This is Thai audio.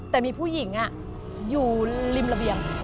แต่มีผู้หญิงอยู่ริมระเบียง